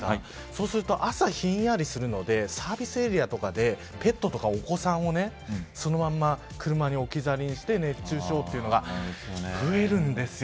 そうすると、朝ひんやりするのでサービスエリアとかでペットとかお子さんをそのまま車に置き去りにして熱中症というのが増えるんです。